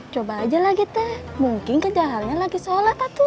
coba aja lagi teh mungkin kejahalannya lagi sholat lah tuh